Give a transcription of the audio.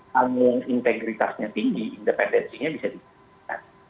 namun integritasnya tinggi independensinya bisa dikembangkan